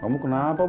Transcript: kamu kenapa bob